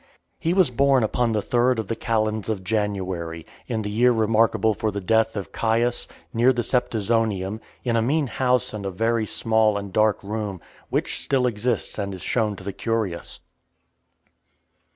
He was born upon the third of the calends of January, [30th Dec.] in the year remarkable for the death of Caius , near the Septizonium , in a mean house, and a very small and dark room, which still exists, and is shown to the curious.